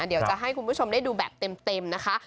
เดี๋ยวจะให้คุณผู้ชมได้ดูแบบเต็มนะคะ